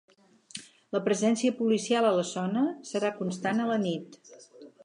La presència policial a la zona serà constant a la nit.